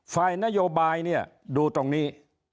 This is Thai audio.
ฝ่ายนโยบายดูตรงนี้